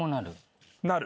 なる。